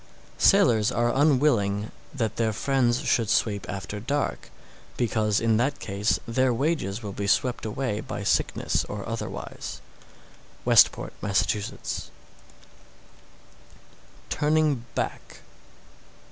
Sailors are unwilling that their friends should sweep after dark, because in that case their wages will be swept away by sickness or otherwise. Westport, Mass. TURNING BACK.